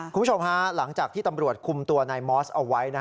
คุณผู้ชมฮะหลังจากที่ตำรวจคุมตัวนายมอสเอาไว้